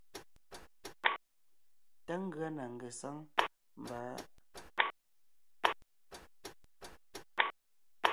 Tá ngʉa na ngesáŋ mba am kqm tem jú.